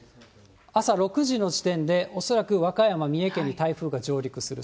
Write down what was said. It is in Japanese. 朝６時の時点で恐らく和歌山、三重県に台風が上陸する。